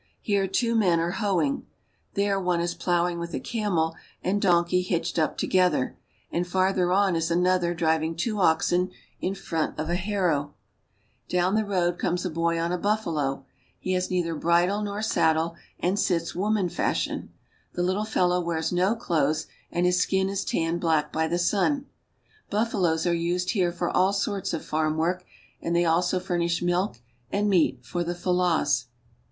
Here two men are hoeing, there one is plowing with a camel and donkey hitched up together, and farther on is another driving two oxen in front of a harrow. Down the EGYPT— A TRIP THROUGH THE COUNTRY I road comes a boy on a buffalo ; he has neither bridle nor saddle, and sits woman fashion. The little fellow wears no clothes, and his skin is tanned black by the sun. Buf faloes are used here for all sorts of farm work, and they also furnish milk and meat for the Fellahs.